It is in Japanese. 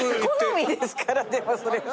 好みですからでもそれは。